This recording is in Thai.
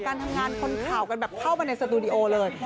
การทำงานคนข่าวกันแบบเข้าไปในสตูดิโอเลย